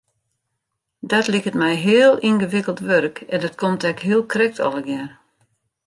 Dat liket my heel yngewikkeld wurk en dat komt ek heel krekt allegear.